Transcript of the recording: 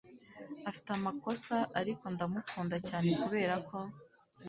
afite amakosa, ariko ndamukunda cyane kuberako